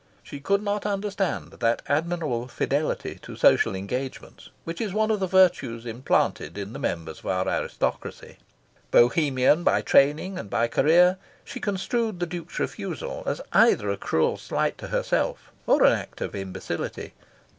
She could not understand that admirable fidelity to social engagements which is one of the virtues implanted in the members of our aristocracy. Bohemian by training and by career, she construed the Duke's refusal as either a cruel slight to herself or an act of imbecility.